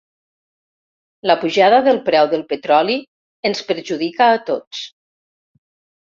La pujada del preu del petroli ens perjudica a tots.